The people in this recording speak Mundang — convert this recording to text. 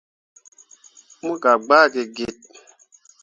Mo gah gbaa git git.